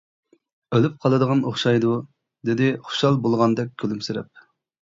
ئۆلۈپ قالىدىغان ئوخشايدۇ، -دېدى خۇشال بولغاندەك كۈلۈمسىرەپ.